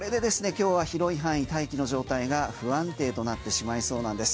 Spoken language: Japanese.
今日は広い範囲大気の状態が不安定となってしまいそうなんです。